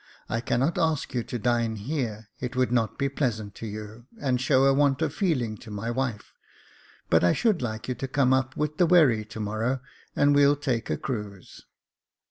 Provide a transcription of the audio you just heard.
I cannot ask you to dine here ; it would not be pleasant to you, and show a want of feeling to my wife ; but I should like you to come up with the wherry to morrow, and we'll take a cruise."